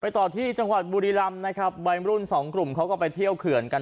ต่อที่จังหวัดบุรีรำนะครับวัยรุ่นสองกลุ่มเขาก็ไปเที่ยวเขื่อนกัน